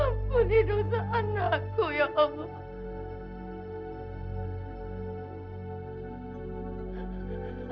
ampuni dosa anakku ya allah